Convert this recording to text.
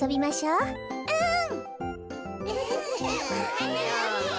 うん。